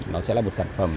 nó sẽ là một sản phẩm